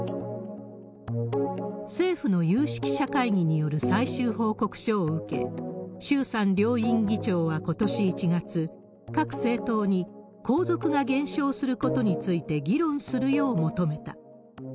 政府の有識者会議による最終報告書を受け、衆参両院議長はことし１月、各政党に、皇族が減少することについて議論するよう求めた。